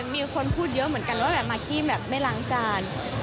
มีคนพูดเยอะเหมือนกันว่าแบบมากกี้แบบไม่ล้างจาน